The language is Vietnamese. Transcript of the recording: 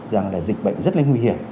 rằng dịch bệnh rất là nguy hiểm